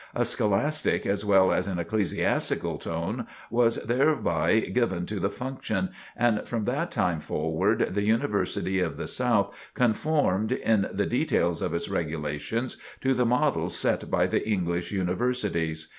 A scholastic as well as an ecclesiastical tone was thereby given to the function, and from that time forward The University of the South conformed in the details of its regulations to the models set by the English Universities.